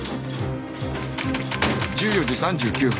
１４時３９分